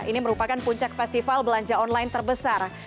ini merupakan puncak festival belanja online terbesar